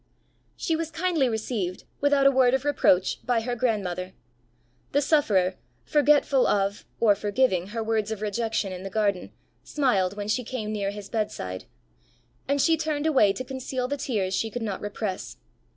She was kindly received, without a word of reproach, by her grandmother; the sufferer, forgetful of, or forgiving her words of rejection in the garden, smiled when she came near his bedside; and she turned away to conceal the tears she could not repress.